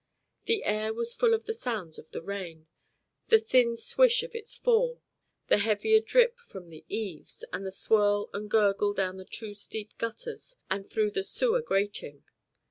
The air was full of the sounds of the rain, the thin swish of its fall, the heavier drip from the eaves, and the swirl and gurgle down the two steep gutters and through the sewer grating.